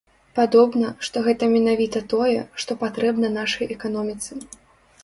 Падобна, што гэта менавіта тое, што патрэбна нашай эканоміцы.